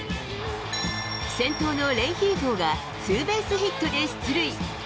先頭のレンヒーフォがツーベースヒットで出塁。